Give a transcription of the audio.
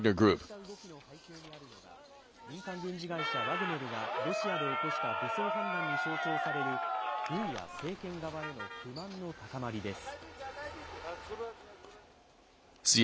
こうした動きの背景にあるのが民間軍事会社ワグネルがロシアで起こした武装反乱に象徴される軍や政権側への不満の高まりです。